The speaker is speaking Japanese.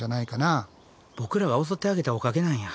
ボクらが襲ってあげたおかげなんや。